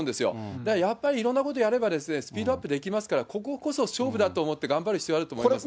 だからやっぱりいろんなことやれば、スピードアップできますから、こここそ勝負だと思って、頑張る必要があると思いますね。